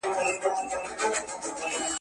بې له هغه سرتیري